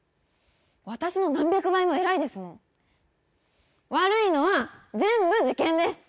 私の何百倍も偉いですもん悪いのは全部受験です！